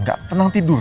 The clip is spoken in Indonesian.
ga tenang tidur